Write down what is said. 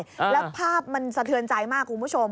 แล้วภาพมันสะเทือนใจมากคุณผู้ชม